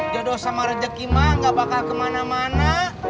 jodoh sama rezeki mah gak bakal kemana mana